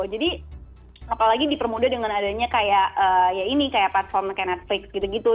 jadi apalagi dipermudah dengan adanya kayak ya ini kayak platform kayak netflix gitu gitu